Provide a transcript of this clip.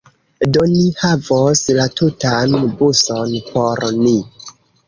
Do, ni havos la tutan buson por ni